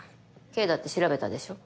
ケイだって調べたでしょ？